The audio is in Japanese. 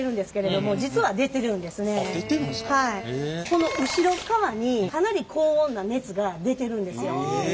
この後ろっかわにかなり高温な熱が出てるんですよ。